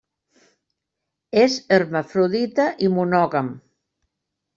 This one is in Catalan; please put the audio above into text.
És hermafrodita i monògam.